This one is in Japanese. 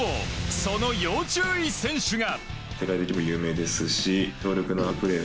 その要注意選手が。